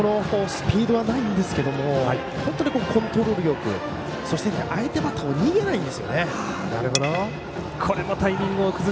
スピードはないんですけどコントロールよくそして、相手バッターも逃げないんですよね。